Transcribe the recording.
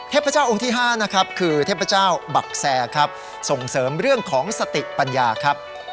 พระเจ้าองค์ที่๕นะครับคือเทพเจ้าบักแซครับส่งเสริมเรื่องของสติปัญญาครับ